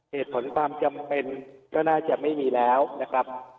เหตุผลความจำเป็นก็น่าจะไม่มีแล้วนะครับ